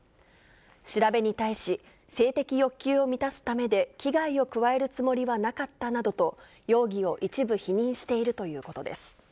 調べに対し、性的欲求を満たすためで危害を加えるつもりはなかったなどと、容疑を一部否認しているということです。